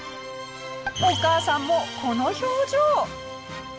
お母さんもこの表情。